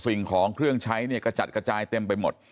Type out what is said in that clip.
สิ่งของเครื่องใช้เนี่ยกระจัดกระจายเต็มไปหมด